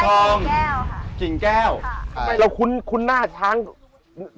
ชื่องนี้ชื่องนี้ชื่องนี้ชื่องนี้ชื่องนี้ชื่องนี้ชื่องนี้